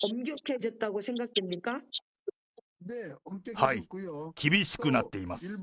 はい、厳しくなっています。